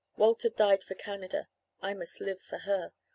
Walter died for Canada I must live for her.